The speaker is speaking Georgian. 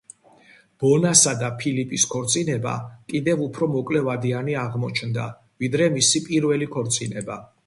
ბონასა და ფილიპის ქორწინება კიდევ უფრო მოკლე ვადიანი აღმოჩნდა, ვიდრე მისი პირველი ქორწინება.